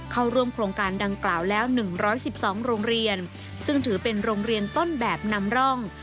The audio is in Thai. เข้าร่วมโครงการดังกล่าวแล้ว๑๑๒โรงเรียนซึ่งถือเป็นโรงเรียนต้นแบบนำร่อง